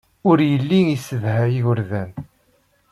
Ur yelli yessedhay igerdan.